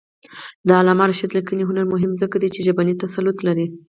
د علامه رشاد لیکنی هنر مهم دی ځکه چې ژبنی تسلط لري.